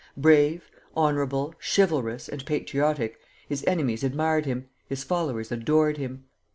Brave, honorable, chivalrous, and patriotic, his enemies admired him, his followers adored him.